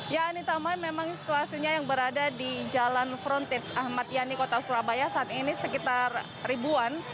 ya anita mai memang situasinya yang berada di jalan frontage ahmad yani kota surabaya saat ini sekitar ribuan